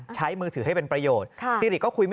ใช้มือถือให้เป็นประโยชน์